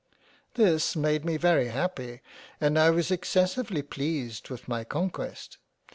This made me very happy, and I was excessively pleased with my conquest.